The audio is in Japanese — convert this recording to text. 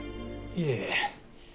いえ。